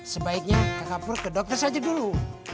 sebaiknya kakak pur ke dokter saja dulu